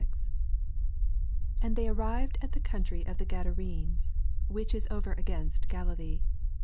26 And they arrived at the ooontry of the Gadarenes, whioh is over against Galilee.